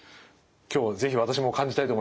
今日是非私も感じたいと思います。